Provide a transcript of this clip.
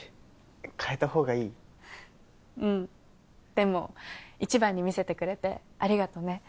でもいちばんに見せてくれてありがとね。